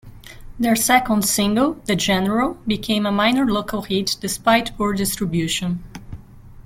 Their second single, "The General," became a minor local hit, despite poor distribution.